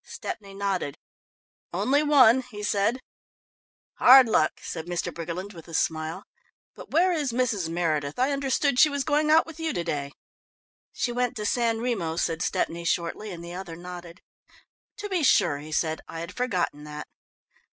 Stepney nodded. "Only one," he said. "Hard luck," said Mr. Briggerland, with a smile, "but where is Mrs. Meredith I understood she was going out with you to day?" "She went to San Remo," said Stepney shortly, and the other nodded. "To be sure," he said. "I had forgotten that."